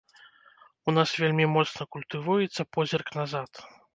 У нас вельмі моцна культывуецца позірк назад.